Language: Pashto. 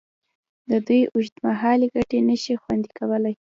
د دوی اوږدمهالې ګټې نشي خوندي کولې.